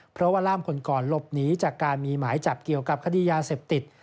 เพราะว่าร่ามคนก่อนหลบหนีจากการมีหมายจับเกี่ยวกับคดียาเสพติด